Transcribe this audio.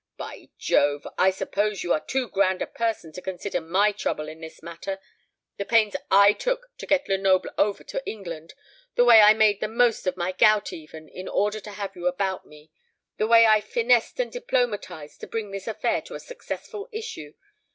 By Jove! I suppose you are too grand a person to consider my trouble in this matter; the pains I took to get Lenoble over to England; the way I made the most of my gout even, in order to have you about me; the way I finessed and diplomatized to bring this affair to a successful issue.